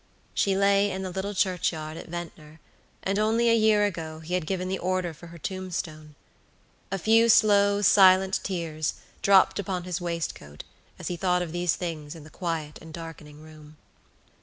She lay in the little churchyard at Ventnor, and only a year ago he had given the order for her tombstone. A few slow, silent tears dropped upon his waistcoat as he thought of these things in the quiet and darkening room.